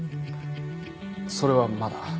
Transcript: それはまだ。